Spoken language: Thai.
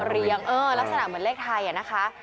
เลี้ยงเออลักษณะเหมือนเลขไทยนะคะ